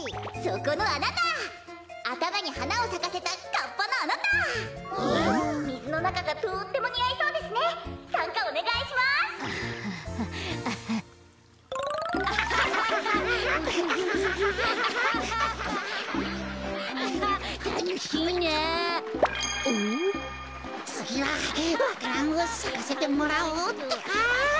こころのこえつぎはわか蘭をさかせてもらおうってか！